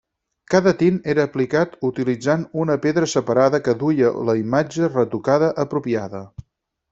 Cada tint era aplicat utilitzant una pedra separada que duia la imatge retocada apropiada.